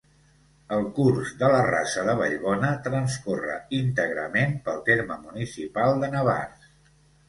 El curs de la Rasa de Vallbona transcorre íntegrament pel terme municipal de Navars.